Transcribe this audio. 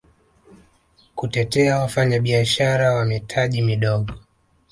kutetea wafanyabiashara wa mitaji midogo